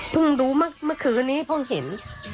ดูเมื่อคืนนี้เพิ่งเห็น